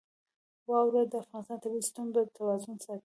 واوره د افغانستان د طبعي سیسټم توازن ساتي.